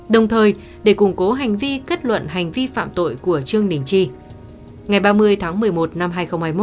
đồng thời để củng cố hành vi kết luận hành vi phạm tội trương đình chi đã xác định vị trí tương đối phù hợp với biên bản khám nghiệm trước đây đã mô tả